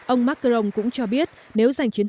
ông macron cũng cho biết nếu giành chiến đấu